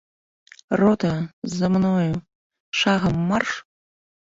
Рота, за мною, шагам марш!